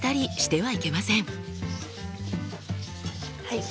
はい。